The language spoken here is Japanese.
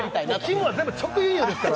きむは全部直輸入ですから。